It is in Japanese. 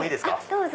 どうぞ。